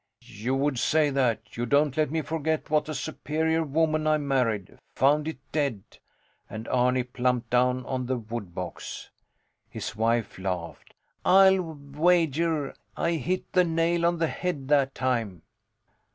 You would say that! You don't let me forget what a superior woman I married! Found it dead! And Arni plumped down on the woodbox. His wife laughed. I'll wager I hit the nail on the head that time!